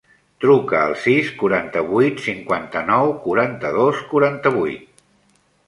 Truca al sis, quaranta-vuit, cinquanta-nou, quaranta-dos, quaranta-vuit.